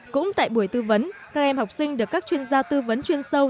cũng tại buổi tư vấn các em học sinh được các chuyên gia tư vấn chuyên sâu